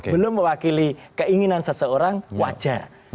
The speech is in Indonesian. belum mewakili keinginan seseorang wajar